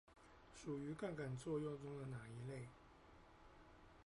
屬於槓桿作用中的哪一類？